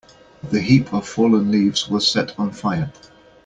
The heap of fallen leaves was set on fire.